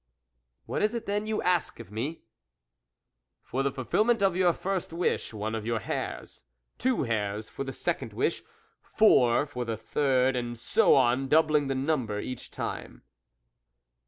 " What is it then you ask of me ?"" For the fulfilment of your first wish, one of your hairs ; two hairs for the second wish, four for the third, and so on, doubling the number each time."